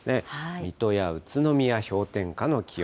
水戸や宇都宮、氷点下の気温。